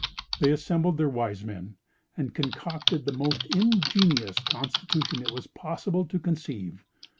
They assembled their wise men, and concocted the most ingenious constitution it is possible to conceive.